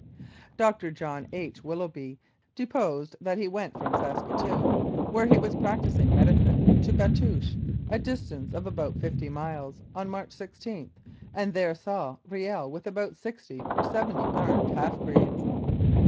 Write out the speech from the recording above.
Dr. John H. Willoughby deposed that he went from Saskatoon, where he was practising medicine, to Batoche, a distance of about fifty miles, on March 16, and there saw Riel with about sixty or seventy armed half breeds.